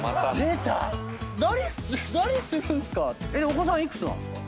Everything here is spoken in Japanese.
お子さん幾つなんですか？